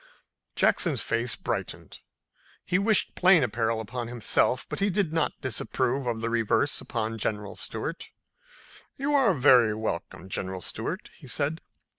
Jackson's face brightened. He wished plain apparel upon himself, but he did not disapprove of the reverse upon General Stuart. "You are very welcome, General Stuart," he said.